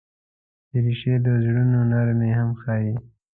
دریشي د زړونو نرمي هم ښيي.